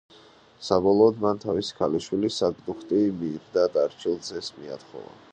საბოლოოდ, მან თავისი ქალიშვილი, საგდუხტი მირდატ არჩილის ძეს მიათხოვა.